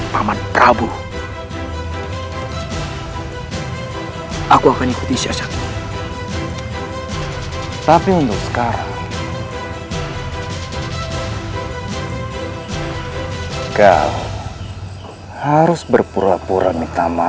kau akan berhenti